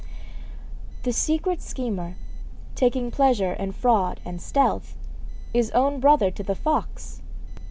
The secret schemer, taking pleasure in fraud and stealth, is own brother to the fox.